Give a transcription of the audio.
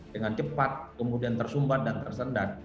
dengan cepat kemudian tersumbat dan tersendat